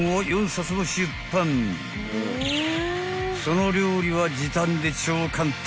［その料理は時短で超簡単！